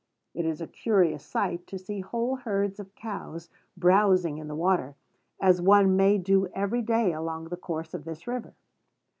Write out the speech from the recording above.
It is a curious sight to see whole herds of cows browsing in the water, as one may do every day along the course of this river.